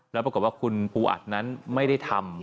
แล้วปรากฏว่าคุณภูอัดนั้นไม่ได้ทำ